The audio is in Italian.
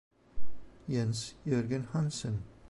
Jens Jørgen Hansen